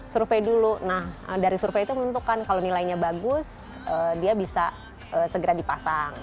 survei dulu nah dari survei itu menentukan kalau nilainya bagus dia bisa segera dipasang